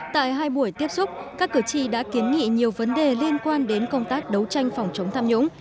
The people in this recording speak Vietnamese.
tại hai buổi tiếp xúc các cử tri đã kiến nghị nhiều vấn đề liên quan đến công tác đấu tranh phòng chống tham nhũng